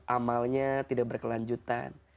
amalnya tidak berkelanjutan